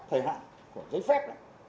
thời hạn của giấy phép